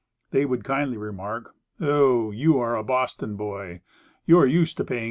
They would kindly remark, "Oh, you are a Boston boy. You are used to paying $8.